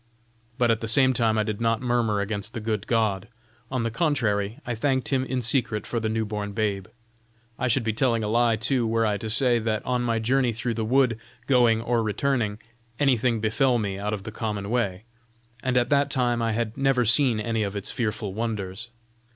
But at the same time I did not murmur against the good God; on the contrary, I thanked him in secret for the new born babe; I should be telling a lie, too, were I to say, that on my journey through the wood, going or returning, anything befell me out of the common way, and at that time I had never seen any of its fearful wonders.